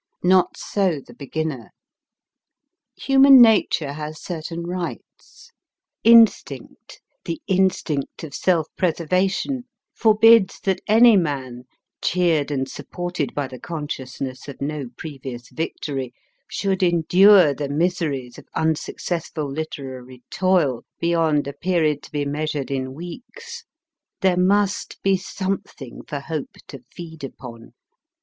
Not so the beginner. Human nature has certain rights ; instinct the instinct of self preservation forbids that any man (cheered and supported by the conscious ness of no previous victory) should endure the miseries of unsuccessful literary toil beyond a period to be measured in weeks. There must be something for hope to feed upon.